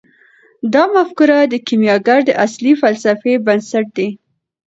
دا مفکوره د کیمیاګر د اصلي فلسفې بنسټ دی.